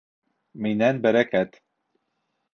Минән бәрәкәт.